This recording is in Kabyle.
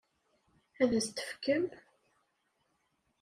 Ad as-t-tefkem?